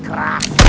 kita harus berhenti